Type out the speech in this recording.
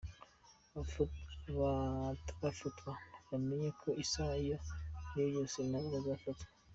Abatarafatwa bamenye ko isaha iyo ari yo yose na bo bazafatwa.